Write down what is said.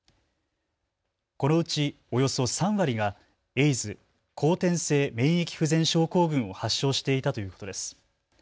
このうちおよそ３割がエイズ・後天性免疫不全症候群を発症していたということです。